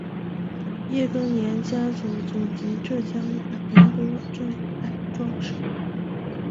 叶庚年家族祖籍浙江宁波镇海庄市。